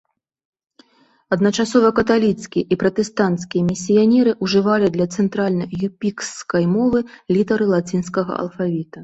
Адначасова каталіцкія і пратэстанцкія місіянеры ўжывалі для цэнтральна-юпікскай мовы літары лацінскага алфавіта.